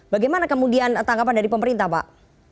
bagaimana kemudian tanggapan dari pemerintah pak